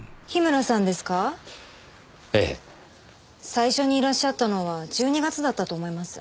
最初にいらっしゃったのは１２月だったと思います。